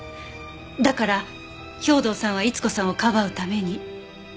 だから兵藤さんは伊津子さんをかばうために。